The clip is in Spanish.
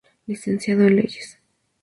Licenciado en Leyes.